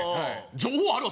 情報あるわ！